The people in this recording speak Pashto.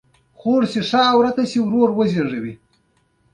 کوم پلتفارم کاروئ؟